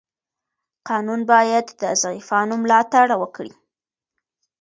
قانون باید د ضعیفانو ملاتړ وکړي.